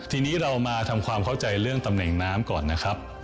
ทีนี้เรามาทำความเข้าใจเรื่องตำแหน่งน้ำก่อนนะครับ